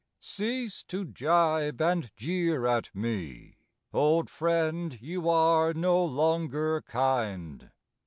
Cease to jibe and jeer at me ! Old friend, you are no longer kind.